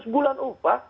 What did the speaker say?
seratus bulan upah